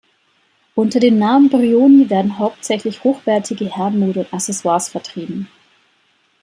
Unter dem Namen "Brioni" werden hauptsächlich hochwertige Herrenmode und Accessoires vertrieben.